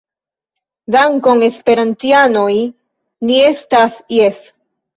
Dankon, esperantianoj ni estas Jes